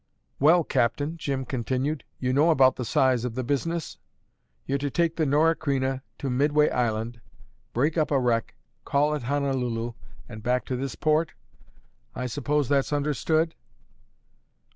"Well, Captain," Jim continued, "you know about the size of the business? You're to take the Nora Creina to Midway Island, break up a wreck, call at Honolulu, and back to this port? I suppose that's understood?"